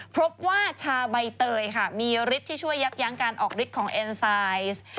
พบว่าชาใบเตยค่ะมีฤทธิ์ที่ช่วยยับยั้งการออกฤทธิของเอ็นไซส์